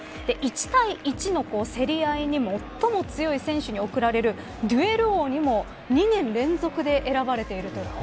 １対１の競り合いに最も強い選手に贈られるデュエル王にも２年連続選ばれているという。